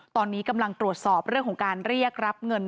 ตอนนี้กำลังตรวจสอบเรื่องของการเรียกรับเงิน